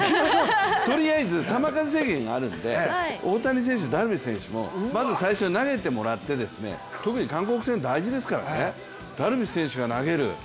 とりあえず、球数制限あるんで大谷選手もダルビッシュ選手もとりあえず投げてもらって特に韓国戦、大事ですからねダルビッシュ選手が投げる。